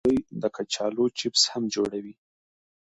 دوی د کچالو چپس هم جوړوي.